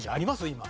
今。